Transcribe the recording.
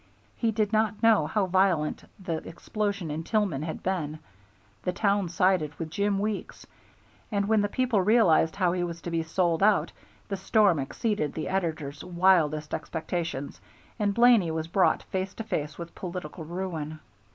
He did not know how violent the explosion in Tillman had been. The town sided with Jim Weeks, and when the people realized how he was to be sold out, the storm exceeded the editor's wildest expectations, and Blaney was brought face to face with political ruin.